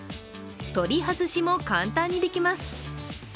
取り外しも簡単にできます。